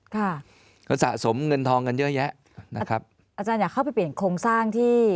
ค่ะก็สะสมเงินทองกันเยอะแยะนะครับอาจารย์อยากเข้าไปเปลี่ยนโครงสร้างที่